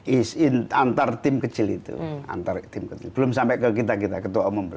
ease in antar tim kecil itu belum sampai ke kita kita ketua umum